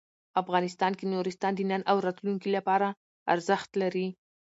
افغانستان کې نورستان د نن او راتلونکي لپاره ارزښت لري.